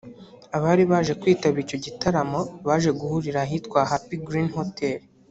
Abari baje kwitabira icyo gitaramo baje guhurira ahitwa Happy Green Hotel